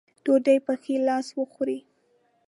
ډوډۍ پۀ ښي لاس وخورئ ـ